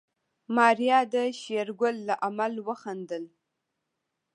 ماريا د شېرګل له عمل وخندل.